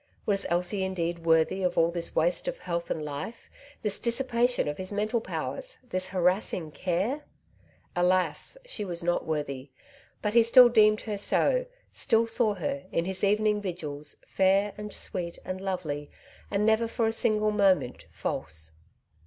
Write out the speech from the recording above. Was Elsie indeed worthy of all this waste of health and life, this dis sipation of his mental powers, this harassing care ? Alas ! she was not worthy ; but he still deemed her so, still saw her, in his evening vigils, fair and sweet and lovely, and never for a single moment false.